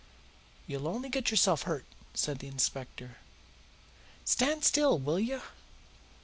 "You'll only get yourself hurt," said the inspector. "Stand still, will you?"